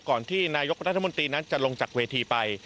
ก่อนที่นายกรัฐมนตรีนั้นจะลงจากเวทีไป